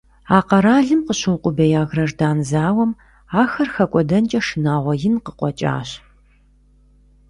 А къэралым къыщыукъубея граждан зауэм ахэр хэкӀуэдэнкӀэ шынагъуэ ин къыкъуэкӀащ.